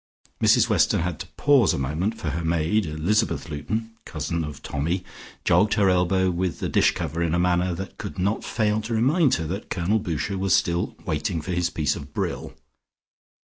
Mrs Weston had to pause a moment for her maid, Elizabeth Luton (cousin of Tommy), jogged her elbow with the dishcover in a manner that could not fail to remind her that Colonel Boucher was still waiting for his piece of brill.